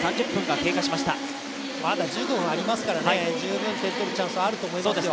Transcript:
まだ１５分ありますから、十分点を取る時間はあると思いますよ。